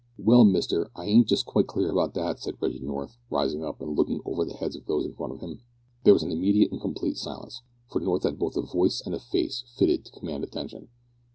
"Well, mister, I ain't just quite clear about that," said Reggie North, rising up and looking over the heads of those in front of him. There was an immediate and complete silence, for North had both a voice and a face fitted to command attention.